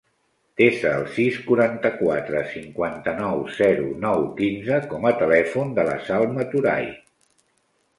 Desa el sis, quaranta-quatre, cinquanta-nou, zero, nou, quinze com a telèfon de la Salma Touray.